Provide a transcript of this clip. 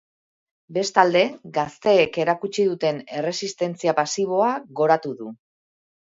Bestalde, gazteek erakutsi duten erresistentzia pasiboa goratu du.